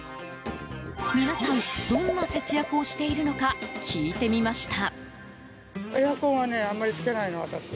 皆さんどんな節約をしているのか聞いてみました。